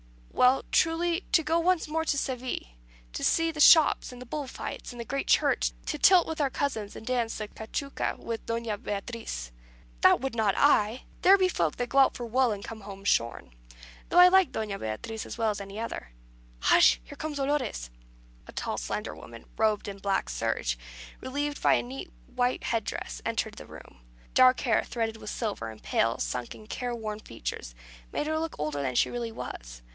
"Well, truly, to go once more to Seville, to see the shops, and the bull fights, and the great Church; to tilt with our cousins, and dance the cachuca with Doña Beatriz." "That would not I. There be folk that go out for wool, and come home shorn. Though I like Doña Beatriz as well as any one." "Hush! here comes Dolores." A tall, slender woman, robed in black serge, relieved by a neat white head dress, entered the room. Dark hair, threaded with silver, and pale, sunken, care worn features, made her look older than she really was.